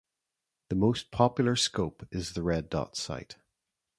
The most popular scope is the red dot sight.